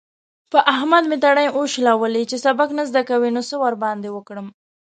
په احمد مې تڼۍ وشلولې. چې سبق نه زده کوي؛ نو څه ورباندې وکړم؟!